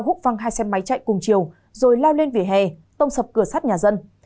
húc văng hai xe máy chạy cùng chiều rồi lao lên vỉa hè tông sập cửa sắt nhà dân